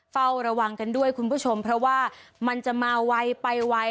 เฝ้าระวังกันด้วยคุณผู้ชมเพราะว่ามันจะมาไวไปไว